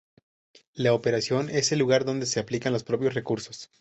La Operación es el lugar donde se aplican los propios recursos.